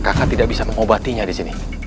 kakak tidak bisa mengobatinya disini